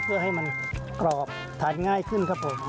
เพื่อให้มันกรอบทานง่ายขึ้นครับผม